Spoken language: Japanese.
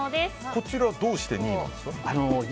こちら、どうして２位ですか？